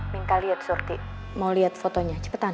minta lihat surti mau lihat fotonya cepetan